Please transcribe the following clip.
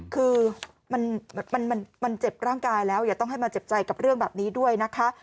คือมันเจ็บร่างกายแล้วอย่าต้องให้มาเจ็บใจกับเรื่องแบบนี้ด้วยนะคะ